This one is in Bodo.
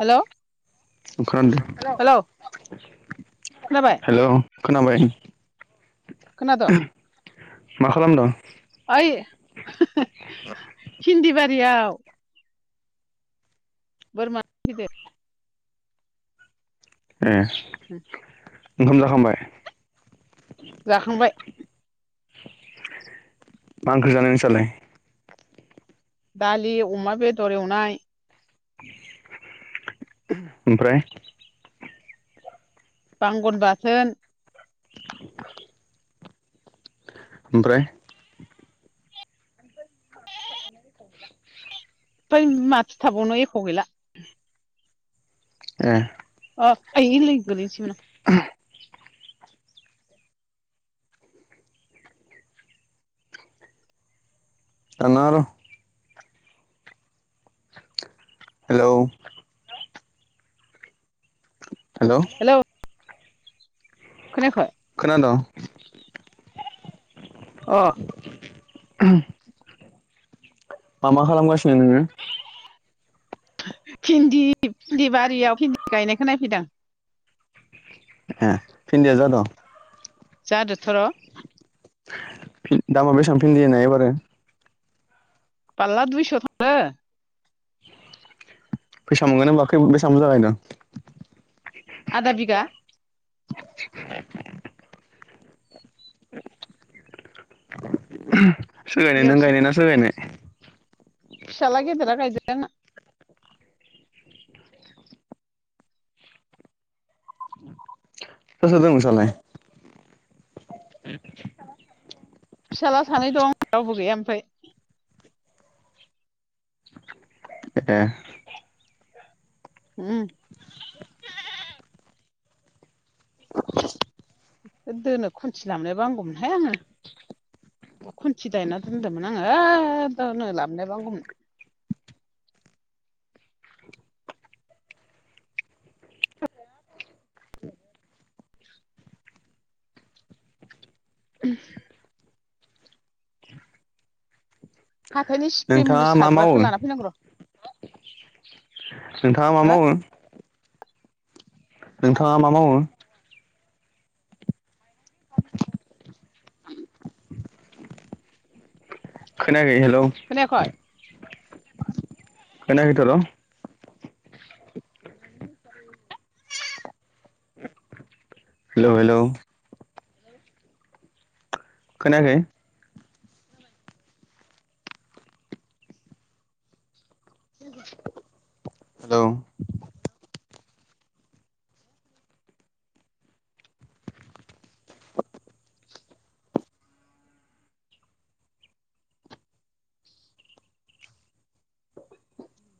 हेल' खोनादों? हेलौ खोनाबाय हेल' खोनाबाय। खोनादो? मा खालामदों? ओइ फिनदि बारि आव बोरमा फैदों। ए [inaudible] ओंखाम जाखांबाय? जाखांबाय। मा ओंख्रि जानाय नोंसालाय? दालि अमा बेदर एवनाय। ओमफ्राय? बांगन बाथोन [inaudible] ओमफ्राय? [inaudible] ओमफ्राय माथो थाबावनो एख' गैला। ए अ ओइ लै गोलैनोसैमोन आं दान नाङा र हेलौ। हेल'। हेलौ खोनायाखै? खोनादों। अ [unintelligible] मा मा खालामगासिनो नोङो? भिन्दि भिन्दि बारियाव भिन्दि गायनायखौ नायफैदां ए‌ भिन्दिया‌ जादो जादोथ र दामा बेसेबां भिन्दि ना एबारो फाल्ला दुइस' थाङो फैसा मोनगोन होमबा खै बेसेबां बुजा गायदों आदा बिगा सोरगायनाय नों बेयावसो गायनाय ना‌ सोर गायनाय फिसाला गेदेरा गायदों आंना सोर‌ सोर‌ दं नोंसालाय [inaudible] फिसाला सानै दं रावबो गैया ओमफाय ए होम दोनो खनथि लाबोनायबा हागौमोनहाय आङो खुन्थि दान्ना दोनदोंमोन आङो दोनो लाबनायबा हामगौमोन ओम हाथायनि सिप्रे मुलि नोंथाङा मा मावो सारग्राखौ लाना फैनांगौ र' नोंथाङा मा मावो नोंथाङा मा मावो खोनायाखै हेल खोनायाखय खनायाखै थ' आर' हेलौ हेलौ खोनायाखै हेल'